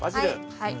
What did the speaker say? はい。